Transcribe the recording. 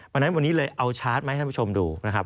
วันนี้เลยเอาชาร์จมาให้ท่านผู้ชมดูนะครับ